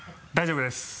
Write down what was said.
大丈夫です。